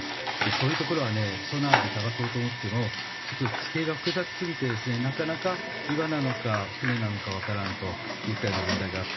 そういうところはソナーで捜そうと思っても地形が複雑すぎてなかなか岩なのか、船なのか分からないといった問題がある。